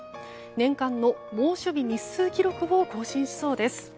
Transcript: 年間の猛暑日日数記録を更新しそうです。